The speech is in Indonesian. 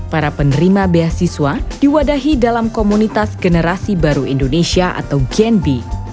para penerima beasiswa diwadahi dalam komunitas generasi baru indonesia atau gnb